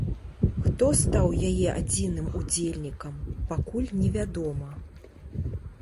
Хто стаў яе адзіным удзельнікам, пакуль не вядома.